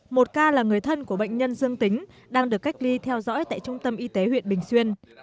một ca là người thân của bệnh nhân dương tính đang được cách ly theo dõi tại trung tâm y tế huyện bình xuyên